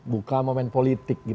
bukan mau main politik